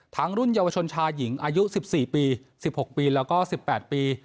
รุ่นเยาวชนชายหญิงอายุ๑๔ปี๑๖ปีแล้วก็๑๘ปี